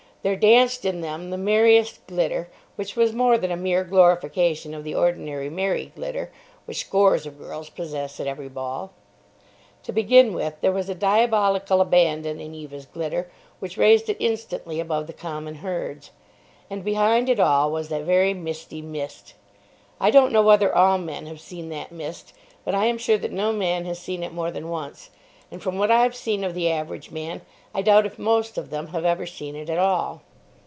There danced in them the merriest glitter, which was more than a mere glorification of the ordinary merry glitter—which scores of girls possess at every ball. To begin with, there was a diabolical abandon in Eva's glitter, which raised it instantly above the common herd's. And behind it all was that very misty mist. I don't know whether all men have seen that mist; but I am sure that no man has seen it more than once; and, from what I've seen of the average man, I doubt if most of them have ever seen it at all.